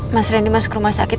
mas randy masuk ke rumah sakit